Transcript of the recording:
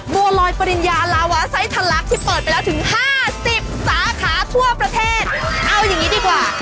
บัวลอยปริญญาลาวาไซสลักที่เปิดไปแล้วถึงห้าสิบสาขาทั่วประเทศเอาอย่างนี้ดีกว่า